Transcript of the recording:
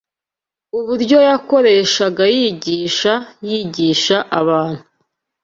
uburyo yakoreshaga yigisha yigisha abantu